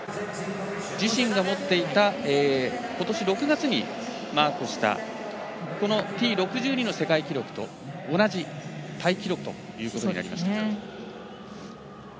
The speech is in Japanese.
自身が持っていたことし６月にマークしたこのＴ６２の世界記録と同じタイ記録ということになりました。